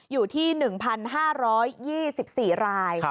อยู่ที่๑๕๒๔ราย